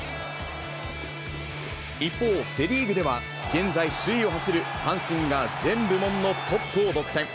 一方、セ・リーグでは、現在首位を走る阪神が全部門のトップを独占。